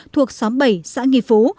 thuộc xóm bảy xã nghi phú